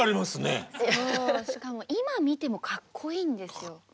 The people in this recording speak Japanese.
しかも今見てもかっこいいんですよ。